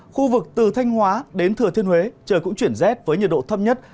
khu vực từ thanh hóa đến thừa thiên huế trời cũng chuyển rét với nhiệt độ thấp nhất